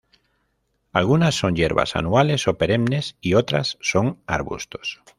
Algunas son hierbas anuales o perennes y otras son arbustos.